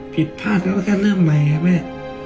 ผิดพลาดแล้วก็แค่เริ่มใหม่แม่